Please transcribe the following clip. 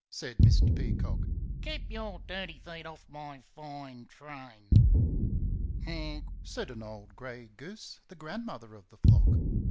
said Mr. Peacock. "Keep your dirty feet off my fine train!" "Quack!" said an old gray goose, the grandmother of the flock.